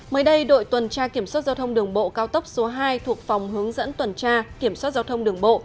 mới đây đội tuần tra kiểm soát giao thông đường bộ cao tốc số hai thuộc phòng hướng dẫn tuần tra kiểm soát giao thông đường bộ